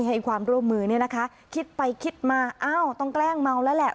ให้ความร่วมมือคิดไปคิดมาต้องแกล้งเมาแล้วแหละ